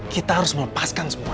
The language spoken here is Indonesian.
kita harus melepaskan semuanya